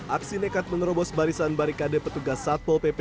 aksi nekat menerobos barisan barikade petugas satpol pp